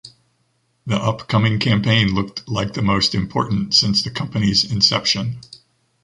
The upcoming campaign looked like the most important since the company’s inception.